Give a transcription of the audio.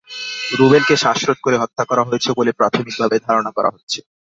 রুবেলকে শ্বাসরোধ করে হত্যা করা হয়েছে বলে প্রাথমিকভাবে ধারণা করা হচ্ছে।